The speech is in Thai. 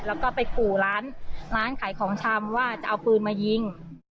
แล้วก็ไปขู่ร้านร้านขายของชำว่าจะเอาปืนมายิง